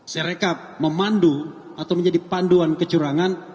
serekap memandu atau menjadi panduan kecurangan